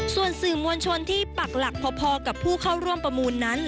ส่วนสื่อมวลชนที่ปักหลักพอกับผู้เข้าร่วมประมูลนั้น